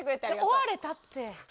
終われたって。